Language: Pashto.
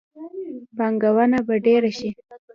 پانګونه به ډیره شي.